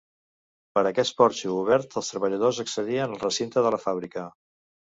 Per aquest porxo obert els treballadors accedien al recinte de la fàbrica.